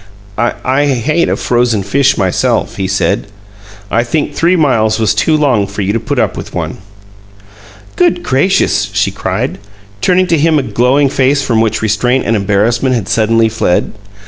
"I I hate a frozen fish myself," he said. "I think three miles was too long for you to put up with one." "Good gracious!" she cried, turning to him a glowing face from which restraint and embarrassment had suddenly fled.